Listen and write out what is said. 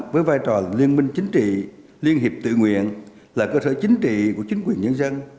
với vai trò liên minh chính trị liên hiệp tự nguyện là cơ sở chính trị của chính quyền nhân dân